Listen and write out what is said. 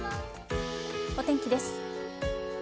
お天気です。